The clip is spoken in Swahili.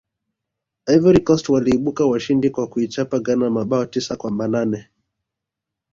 ivory coast waliibuka washindi kwa kuichapa ghana mabao tisa kwa manane